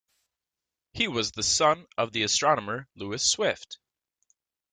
He was the son of the astronomer Lewis Swift.